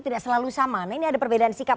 tidak selalu sama nah ini ada perbedaan sikap